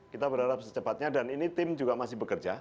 kita berharap secepatnya dan ini tim juga masih bekerja